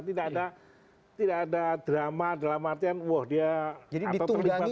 tidak ada drama dalam artian wah dia apa terlibat